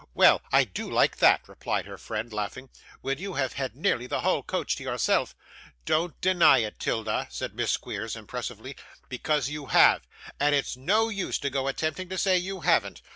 'Well, I do like that,' replied her friend, laughing, 'when you have had nearly the whole coach to yourself.' 'Don't deny it, 'Tilda,' said Miss Squeers, impressively, 'because you have, and it's no use to go attempting to say you haven't.